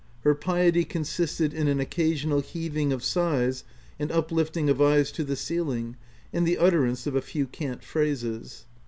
Her piety consisted in an occasional heaving of sighs and uplifting of eyes to the ceiling, and the utterance of a few cant phrases.